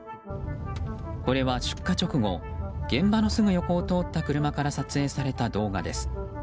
これは出火直後現場のすぐ横を通った車から撮影された動画です。